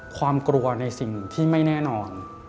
ความกลัวในสิ่งที่ไม่แน่นอน